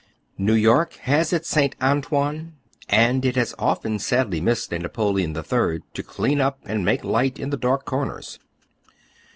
Kew York has its St, Antoine, and it has often sadly missed a Napoleon HI. to clean up and make light in the dark corners.